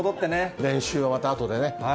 練習はまたあとでね。